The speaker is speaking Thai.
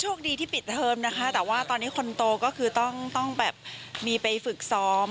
โชคดีที่ปิดเทอมนะคะแต่ว่าตอนนี้คนโตก็คือต้องแบบมีไปฝึกซ้อม